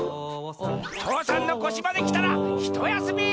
父山のこしまできたらひとやすみ！